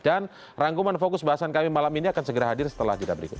dan rangkuman fokus bahasan kami malam ini akan segera hadir setelah jadwal berikut